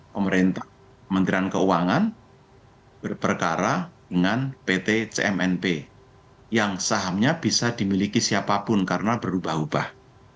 pemerintah menterian keuangan berperkara dengan pt cmnp yang sahamnya bisa dimiliki siapapun karena berubah ubah